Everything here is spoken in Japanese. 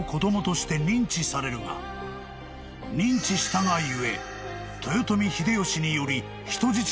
［認知したが故］